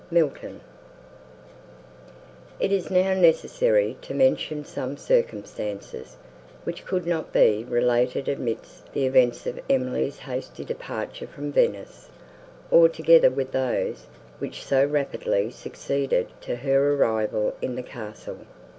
MILTON It is now necessary to mention some circumstances, which could not be related amidst the events of Emily's hasty departure from Venice, or together with those, which so rapidly succeeded to her arrival in the castle.